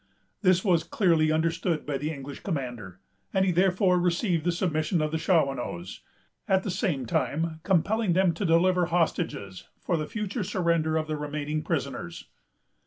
This was clearly understood by the English commander, and he therefore received the submission of the Shawanoes, at the same time compelling them to deliver hostages for the future surrender of the remaining prisoners.